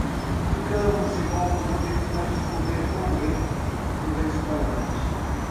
Ficamos de bom humor depois de comer tão bem no restaurante!